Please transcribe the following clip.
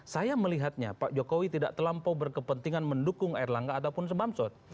saya melihatnya pak jokowi tidak terlampau berkepentingan mendukung erlangga ataupun semamsud